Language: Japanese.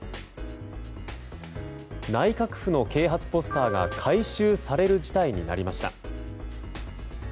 内閣府の啓発ポスターが回収される事態になりました。